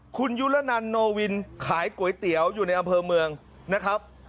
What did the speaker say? คุณยุระนันโนวินขายก๋วยเตี๋ยวอยู่ในอำเภอเมืองนะครับ